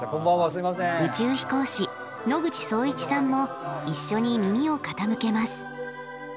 宇宙飛行士野口聡一さんも一緒に耳を傾けます。